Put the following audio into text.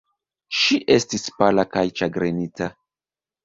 Ŝi estis pala kaj ĉagrenita.